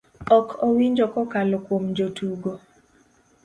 ok owinjo kokalo kuom jotugo,